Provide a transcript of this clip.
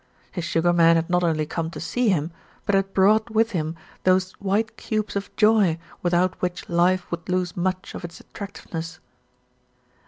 His Sugar Man had not only come to see him; but had brought with him those white cubes of joy, without which life would lose much of its attractiveness.